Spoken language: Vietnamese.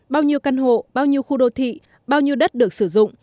bao nhiêu căn hộ bao nhiêu khu đô thị bao nhiêu đất được sử dụng